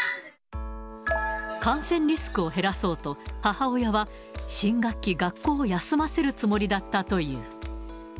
感染リスクを減らそうと、母親は新学期、学校を休ませるつもりだったという。